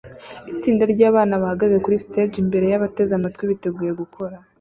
Itsinda ryabana bahagaze kuri stage imbere yabateze amatwi biteguye gukora